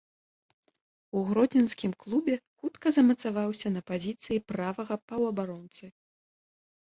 У гродзенскім клубе хутка замацаваўся на пазіцыі правага паўабаронцы.